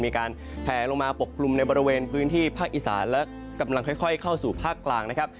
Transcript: มีการแผลลงมาปกกลุ่มในบริเวณพื้นที่ภาคอีสานและกำลังค่อยเข้าสู่ภาคกลางนะครับ